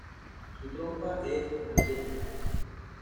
Su trompa es amarillenta.